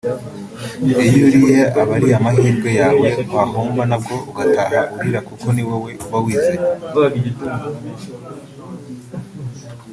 Iyo uriye aba ari amahirwe yawe wahomba na bwo ugataha urira kuko ni wowe uba wizanye